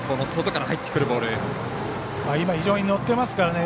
今、非常に乗っていますからね。